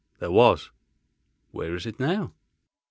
"There was." "Where is it now?"